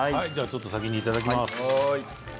ちょっと先にいただきます。